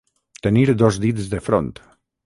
Tenir dos dits de front.